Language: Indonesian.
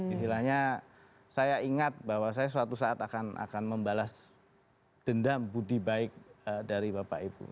istilahnya saya ingat bahwa saya suatu saat akan membalas dendam budi baik dari bapak ibu